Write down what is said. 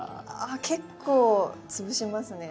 あ結構潰しますね。